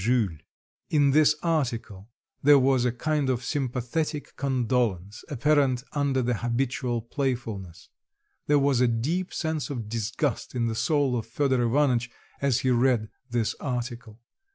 Jules. In this article there was a kind of sympathetic condolence apparent under the habitual playfulness; there was a deep sense of disgust in the soul of Fedor Ivanitch as he read this article.